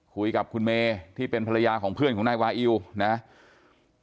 คุยกับคุณเมย์ที่เป็นภรรยาของเพื่อนของนายวาอิวนะครับ